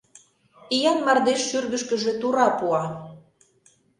Иян мардеж шӱргышкыжӧ тура пуа.